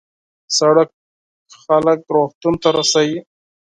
سړک خلک روغتون ته رسوي.